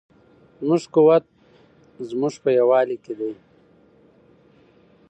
زموږ قوت په زموږ په یووالي کې دی.